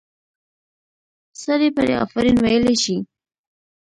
سړی پرې آفرین ویلی شي.